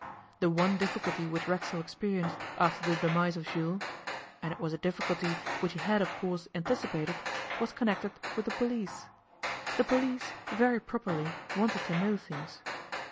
The one difficulty which Racksole experienced after the demise of Jules and it was a difficulty which he had, of course, anticipated was connected with the police. The police, very properly, wanted to know things.